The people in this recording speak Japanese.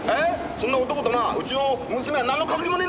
そんな男となうちの娘はなんの関係もねえんだよ！